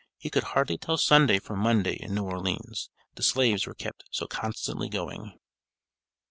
He could hardly tell Sunday from Monday in New Orleans, the slaves were kept so constantly going.